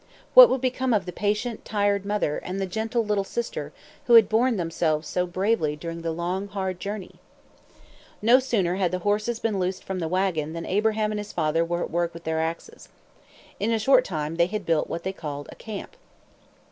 What would become of the patient, tired mother, and the gentle little sister, who had borne themselves so bravely during the long, hard journey? No sooner had the horses been loosed from the wagon than Abraham and his father were at work with their axes. In a short time they had built what they called a "camp."